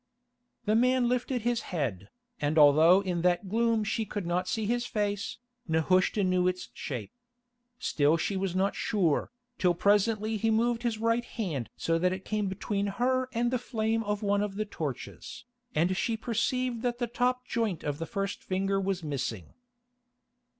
The man lifted his head, and although in that gloom she could not see his face, Nehushta knew its shape. Still she was not sure, till presently he moved his right hand so that it came between her and the flame of one of the torches, and she perceived that the top joint of the first finger was missing.